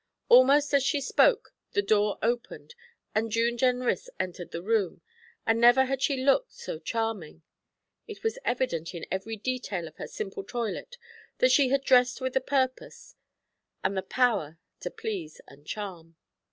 Almost as she spoke the door opened and June Jenrys entered the room, and never had she looked so charming. It was evident in every detail of her simple toilet that she had dressed with the purpose and the power to please and charm.